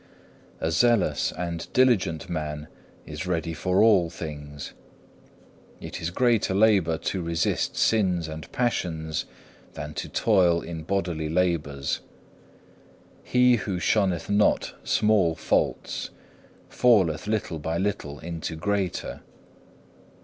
A zealous and diligent man is ready for all things. It is greater labour to resist sins and passions than to toil in bodily labours. He who shunneth not small faults falleth little by little into greater.